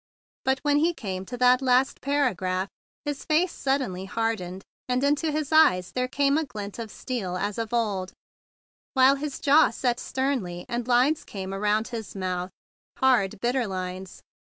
But, when he came to that last para¬ graph, his face suddenly hardened, and into his eyes there came a glint of steel as of old, while his jaw set sternly, and 154 THE BIG BLUE SOLDIER lines came around his mouth, hard, bit¬ ter lines.